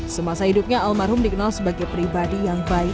semasa hidupnya almarhum dikenal sebagai pribadi yang baik